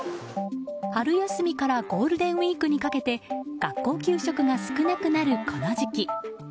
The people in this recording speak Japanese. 春休みからゴールデンウィークにかけて学校給食が少なくなる、この時期。